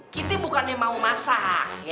kita bukan yang mau masak